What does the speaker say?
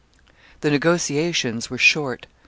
] The negotiations were short.